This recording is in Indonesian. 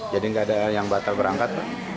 nggak ada yang batal berangkat